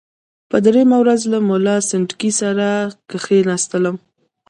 په دریمه ورځ له ملا سنډکي سره کښېنستلم.